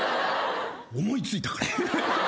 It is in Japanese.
思い付いたから。